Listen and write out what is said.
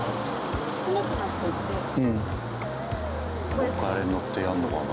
もう一回あれに乗ってやるのかな？